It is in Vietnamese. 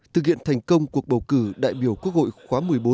thực hiện thành công cuộc bầu cử đại biểu quốc hội khóa một mươi bốn